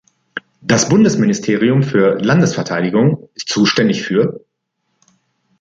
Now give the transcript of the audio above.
Das Bundesministerium für Landesverteidigung ist zuständig für:.